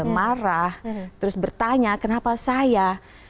marah terus bertanya kenapa saya